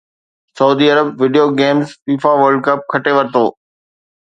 سعودي عرب video games FIFA world cup کٽي ورتو